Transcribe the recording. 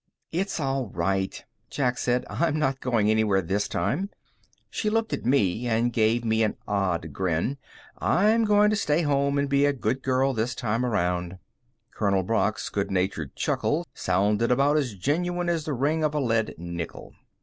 "It's all right," Jack said. "I'm not going anywhere this time." She looked at me and gave me an odd grin. "I'm going to stay home and be a good girl this time around." Colonel Brock's good natured chuckle sounded about as genuine as the ring of a lead nickel.